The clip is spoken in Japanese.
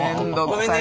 ごめんね。